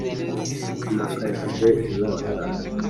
Sinakajije inkota